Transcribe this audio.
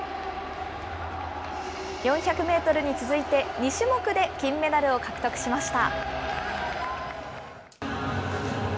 ４００メートルに続いて、２種目で金メダルを獲得しました。